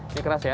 ini keras ya